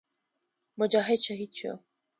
مجاهد شهید شو.